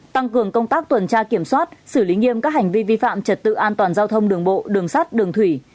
tăng cường công tác tuần tra kiểm soát xử lý nghiêm các hành vi vi phạm trật tự an toàn giao thông đường bộ đường sắt đường thủy